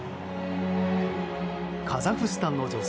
カザフスタンの女性